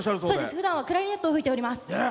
ふだんはクラリネットを吹いております。